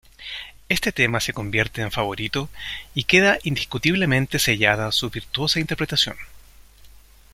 Este tema se convierte en favorito y queda indiscutiblemente sellada su virtuosa interpretación.